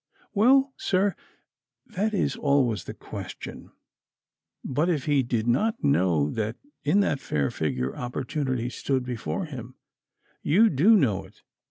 Well, sir, that is always the question. But if he did not know that in that fair figure opportunity stood before him, you do know it.